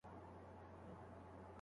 نجلۍ باید خپل نظر پټ نه کړي.